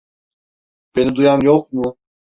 Beni duyan yok mu?